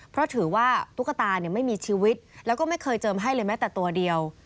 เพราะถือว่าตุ๊กตาไม่มีชีวิตแล้วก็ไม่เคยเจิมให้เลยแม้แต่ตัวเดียว